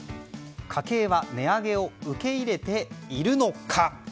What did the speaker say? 家計は値上げを受け入れているのか？